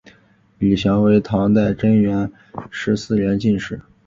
李翱为唐代贞元十四年进士。